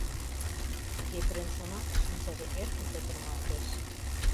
Епрем шона, шинчаже эркын петырналтеш.